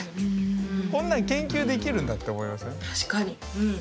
こんなん研究できるんだって思いません？